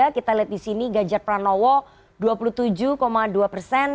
kita lihat di sini ganjar pranowo dua puluh tujuh dua persen